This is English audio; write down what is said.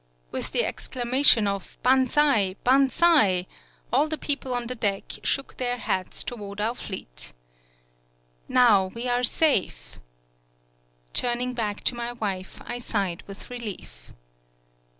With the exclamation of "Banzai! Banzai!" all the people on the deck shook their hats toward our fleet. "Now, we are safe!" Turning back to my wife, I sighed with relief.